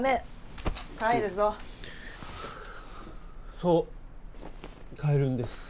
そう帰るんです。